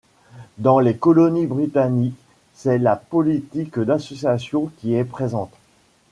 Dans les colonies britanniques, c'est la politique d'association qui est présente.